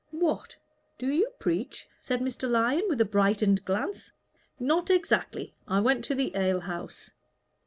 "What! do you preach?" said Mr. Lyon, with brightened glance. "Not exactly. I went to the ale house."